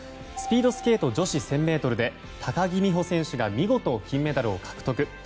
スピードスケート女子１０００ｍで高木美帆選手が見事金メダルを獲得。